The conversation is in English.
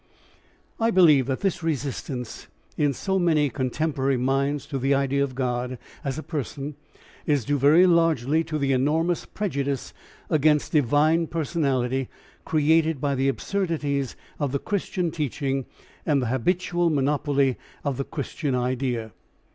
I believe that this resistance in so many contemporary minds to the idea of God as a person is due very largely to the enormous prejudice against divine personality created by the absurdities of the Christian teaching and the habitual monopoly of the Christian idea.